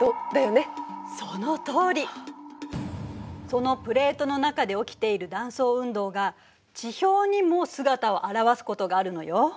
そのプレートの中で起きている断層運動が地表にも姿を現すことがあるのよ。